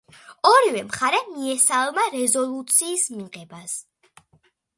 ორივე მხარე მიესალმა რეზოლუციის მიღებას.